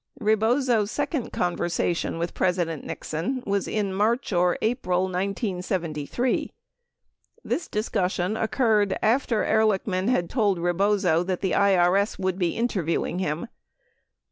17 Rebozo's second conversation with President Nixon was in March or April 1973. This discussion occurred after Ehrlichman had told Re bozo that the IRS would be interviewing him.